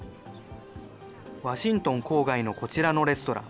ワシントン郊外のこちらのレストラン。